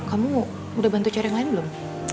kamu udah bantu cari yang lain belum